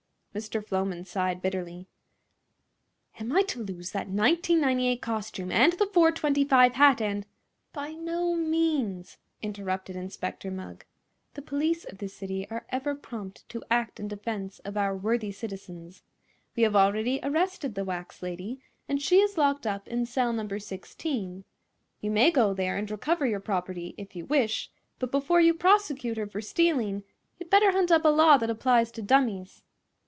Mr. Floman sighed bitterly. "Am I to lose that $19.98 costume and the $4.25 hat and—" "By no means," interrupted Inspector Mugg. "The police of this city are ever prompt to act in defense of our worthy citizens. We have already arrested the wax lady, and she is locked up in cell No. 16. You may go there and recover your property, if you wish, but before you prosecute her for stealing you'd better hunt up a law that applies to dummies."